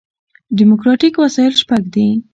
ډیموکراټیک وسایل شپږ دي.